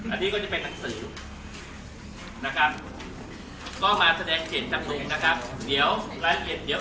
อันนี้ก็จะเป็นนักสือนะครับก็มาแสดงเก่งจับมือนะครับ